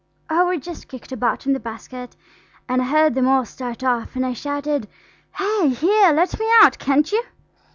"Oh, I just kicked about in the basket, and I heard them all start off, and I shouted, 'Hi, here! let me out, can't you!'"